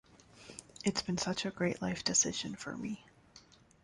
It's been such a great life decision for me...